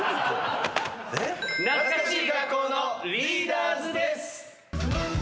懐かしい学校のリーダーズです。